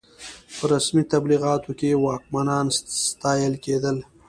په رسمي تبلیغاتو کې واکمنان ستایل کېدل.